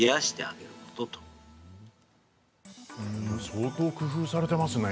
相当、工夫されていますね